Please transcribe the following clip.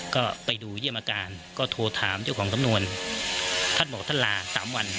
ก็ไปดูเยี่ยมอาการก็โทรถามเจ้าของสำนวนท่านบอกท่านลาสามวัน